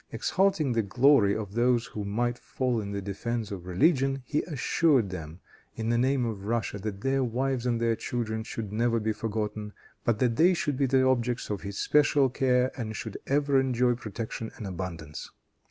Exalting the glory of those who might fall in the defense of religion, he assured them in the name of Russia that their wives and their children should never be forgotten, but that they should be the objects of his special care and should ever enjoy protection and abundance.